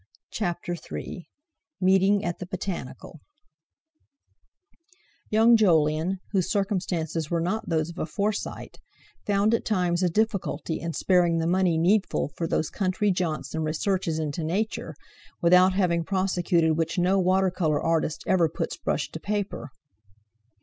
CHAPTER III MEETING AT THE BOTANICAL Young Jolyon, whose circumstances were not those of a Forsyte, found at times a difficulty in sparing the money needful for those country jaunts and researches into Nature, without having prosecuted which no watercolour artist ever puts brush to paper.